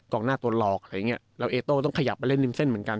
กล้องหน้าตัวหลอกแบบนี้แล้วเอโต้ต้องขยับไปเล่นริมเส้นเหมือนกัน